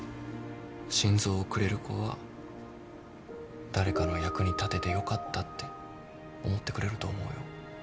心臓をくれる子は誰かの役に立ててよかったって思ってくれると思うよ。